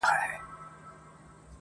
• د کيسې دردناک اثر لا هم ذهن کي پاتې..